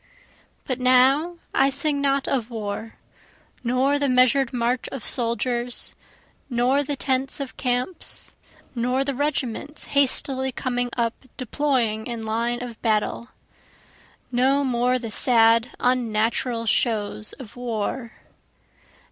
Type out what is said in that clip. But now I sing not war, Nor the measur'd march of soldiers, nor the tents of camps, Nor the regiments hastily coming up deploying in line of battle; No more the sad, unnatural shows of war.